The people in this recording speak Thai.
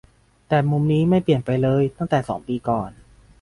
แต่มุมนี้ไม่เปลี่ยนไปเลยตั้งแต่สองปีก่อน